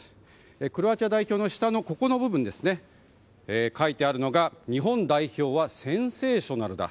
クロアチア代表の下の部分に書いてあるのが日本代表はセンセーショナルだ。